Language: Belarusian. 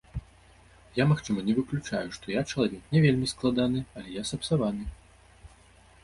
Я, магчыма, не выключаю, што я чалавек не вельмі складаны, яле я сапсаваны.